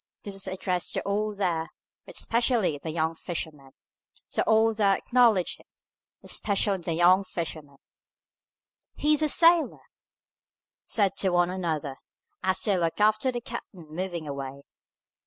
This was addressed to all there, but especially the young fisherman; so all there acknowledged it, but especially the young fisherman. "He's a sailor!" said one to another, as they looked after the captain moving away.